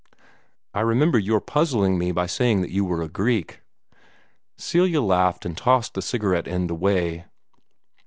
"I remember your puzzling me by saying that you were a Greek." Celia laughed, and tossed the cigarette end away.